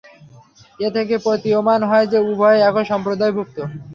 এ থেকে প্রতীয়মান হয় যে, উভয়ে একই সম্প্রদায়ভুক্ত।